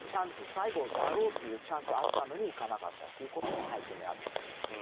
最後だろうというチャンスだったのに行かなかったということも背景にあるんです。